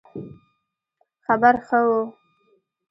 خبر ښه وو